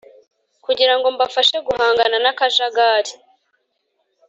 kugira ngo mbafashe guhangana n akajagari